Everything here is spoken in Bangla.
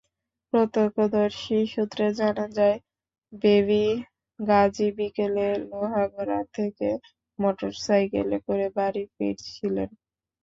প্রত্যক্ষদর্শী সূত্রে জানা যায়, বেবী গাজী বিকেলে লোহাগড়া থেকে মোটরসাইকেলে করে বাড়ি ফিরছিলেন।